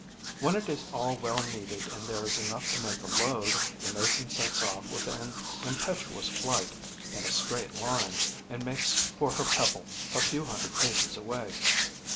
When it is all well kneaded and there is enough to make a load, the Mason sets off with an impetuous flight, in a straight line, and makes for her pebble, a few hundred paces away.